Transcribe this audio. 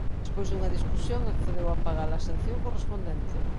Despois dunha discusión accedeu a pagar a sanción correspondente.